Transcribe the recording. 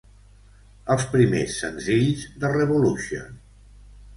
Els primers senzills de Revolution.